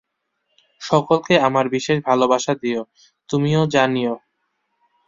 সকলকে আমার বিশেষ ভালবাসা দিও, তুমিও জানিও।